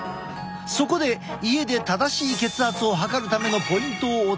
そこで家で正しい血圧を測るためのポイントをお伝えしよう。